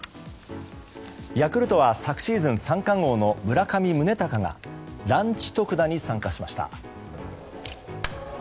ヤクルトは昨シーズン三冠王の村上宗隆がランチ特打に参加しました。